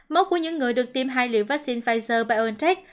mốt của những người được tiêm hai liệu vaccine pfizer biontech